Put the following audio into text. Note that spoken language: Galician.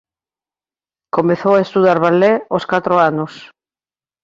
Comezou a estudar ballet ós catro anos.